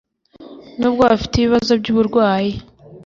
nubwo bafite ibibazo by uburwayi